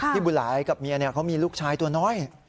บุหลายกับเมียเขามีลูกชายตัวน้อย